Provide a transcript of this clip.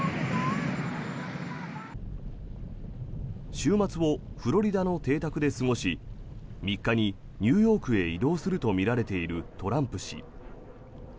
週末をフロリダの邸宅で過ごし３日にニューヨークへ移動するとみられているトランプ氏。